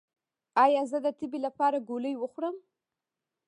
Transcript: ایا زه د تبې لپاره ګولۍ وخورم؟